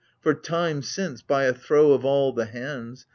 For time, since, by a throw of all the hands.